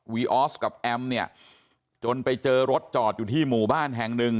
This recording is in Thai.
ออสกับแอมเนี่ยจนไปเจอรถจอดอยู่ที่หมู่บ้านแห่งหนึ่ง